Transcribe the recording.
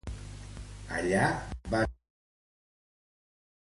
Allà va treballar un any.